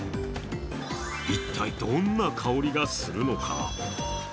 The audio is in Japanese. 一体どんな香りがするのか。